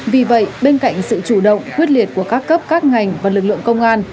vì vậy bên cạnh sự chủ động quyết liệt của các cấp các ngành và lực lượng công an